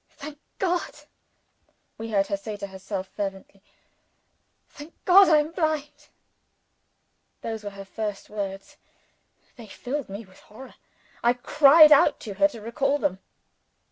"Thank God," we heard her say to herself fervently "Thank God, I am blind." Those were her first words. They filled me with horror. I cried out to her to recall them.